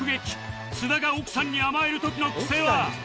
津田が奥さんに甘える時の癖は？